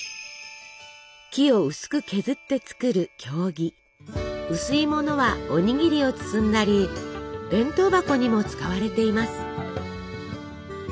木を薄く削って作る薄いものはおにぎりを包んだり弁当箱にも使われています。